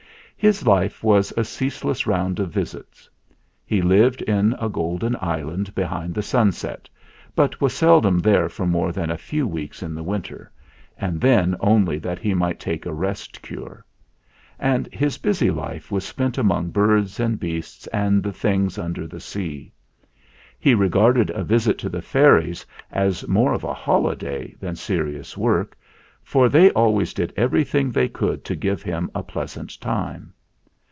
His life was a ceaseless round of visits. He lived in a golden island behind the sunset, but was seldom there for more than a few weeks in the winter, and then only that he might take a rest cure ; and his busy life was spent among birds and beasts and the things under the sea. He regarded a visit to the fairies as more of a holiday than serious work, for they always did everything they could to give him a pleas ant time.